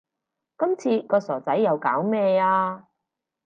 今次個傻仔又搞咩呀